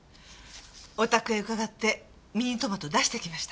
お宅へ伺ってミニトマト出してきました。